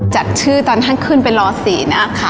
จากชื่อตอนท่านขึ้นไปล๔นะคะ